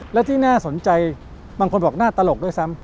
และที่น่าสนใจบางคนบอกน่าตลกด้วยซ้ำ